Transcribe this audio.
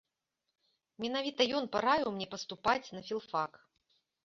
Менавіта ён параіў мне паступаць на філфак.